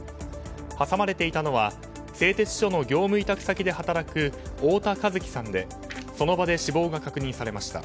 挟まれていたのは製鉄所の業務委託先で働く太田和輝さんでその場で死亡が確認されました。